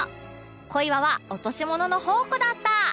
小岩は落とし物の宝庫だった！